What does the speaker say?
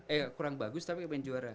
eh kurang bagus tapi dia pengen jadi juara